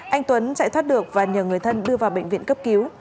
anh tuấn chạy thoát được và nhờ người thân đưa vào bệnh viện cấp cứu